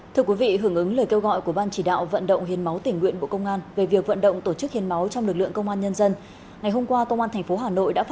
thưa quý vị hưởng ứng lời kêu gọi của ban chỉ đạo vận động hiến máu tỉnh nguyện bộ công an về việc vận động tổ chức hiến máu trong lực lượng công an nhân dân